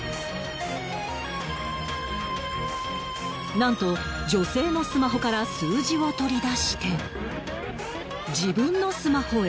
［何と女性のスマホから数字を取り出して自分のスマホへ］